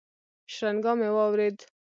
شرنگا مې واورېد.